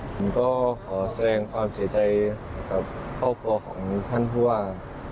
ผมก็ขอแสดงความเสียใจกับครอบครัวของท่านผู้ว่า